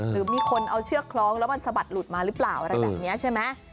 หรือมีคนเอาเชือกคล้องแล้วมันสะบัดหลุดมาหรือเปล่าอะไรแบบนี้ใช่ไหม